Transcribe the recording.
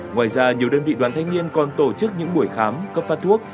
ngoài ra nhiều đơn vị đoàn thanh niên còn tổ chức những buổi khám cấp phát thuốc